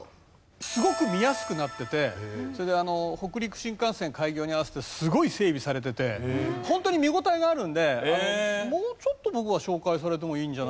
すごく見やすくなっててそれで北陸新幹線開業に合わせてすごい整備されててホントに見応えがあるのでもうちょっと僕は紹介されてもいいんじゃないかな。